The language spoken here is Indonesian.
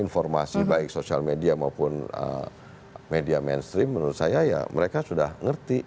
informasi baik sosial media maupun media mainstream menurut saya ya mereka sudah ngerti